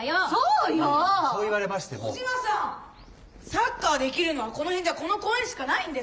サッカーできるのはこの辺じゃこの公園しかないんです。